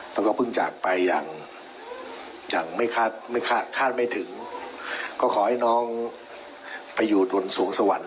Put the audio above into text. แล้วก็เพิ่งจากไปอย่างคาดไม่ถึงก็ขอให้น้องไปอยู่ตรงสวงสวรรค์